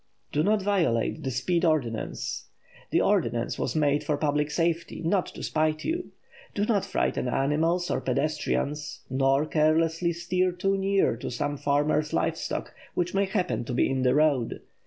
Do not violate the speed ordinance. The ordinance was made for public safety, not to spite you. Do not frighten animals or pedestrians, nor carelessly steer too near to some farmer's live stock which may happen to be in the road.